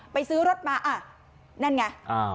ไปซื้อรถมาอ่ะนั่นไง